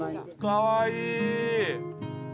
かわいい。